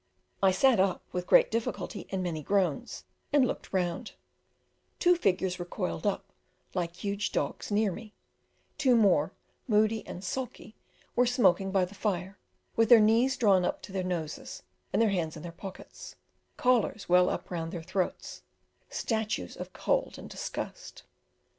I sat up with great difficulty and many groans, and looked round: two figures were coiled up, like huge dogs, near me; two more, moody and sulky, were smoking by the fire; with their knees drawn up to their noses and their hands in their pockets, collars well up round their throats statues of cold and disgust.